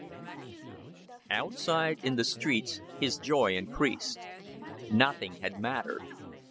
V Outside in the streets his joy increased. Nothing had mattered.